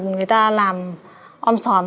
người ta làm ôm xòm